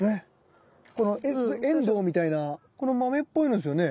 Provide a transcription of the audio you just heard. このエンドウみたいなこの豆っぽいのですよね。